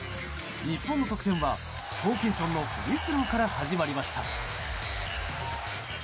日本の得点はホーキンソンのフリースローから始まりました。